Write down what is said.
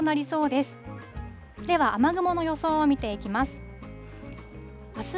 では雨雲の予想を見ていきます。